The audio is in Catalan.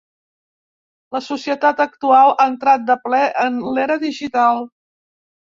La societat actual ha entrat de ple en l’era digital.